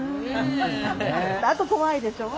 あと怖いでしょう？